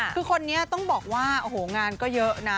คือคนนี้ต้องบอกว่าโอ้โหงานก็เยอะนะ